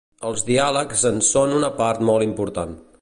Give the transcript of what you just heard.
Els diàlegs en són una part molt important.